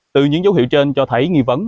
từ những dấu hiệu trên cho thấy nghi vấn